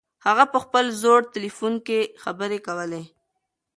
هغه په خپل زوړ تلیفون کې خبرې کولې.